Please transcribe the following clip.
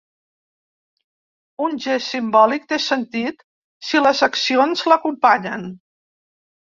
Un gest simbòlic té sentit si les accions l'acompanyen.